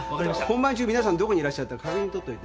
本番中皆さんどこにいらっしゃったか確認取っといて。